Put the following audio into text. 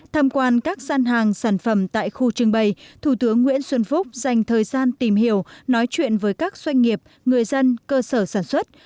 tham quan các gian hàng sản phẩm tại khu trưng bày thủ tướng nguyễn xuân phúc dành thời gian tìm hiểu nói chuyện với các doanh nghiệp người dân cơ sở sản xuất